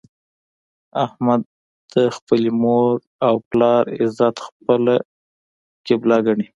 احمد د خپلې مور او پلار عزت خپله قبله ګڼي.